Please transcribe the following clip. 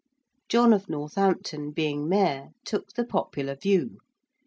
John of Northampton being Mayor, took the popular view.